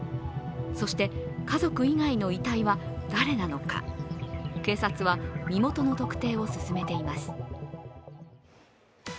そして、家族以外の遺体は誰なのか警察は身元の特定を進めています。